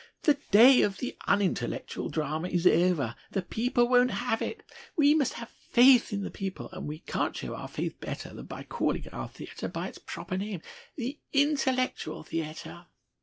The day of the unintellectual drama is over. The people won't have it. We must have faith in the people, and we can't show our faith better than by calling our theatre by its proper name 'The Intellectual Theatre!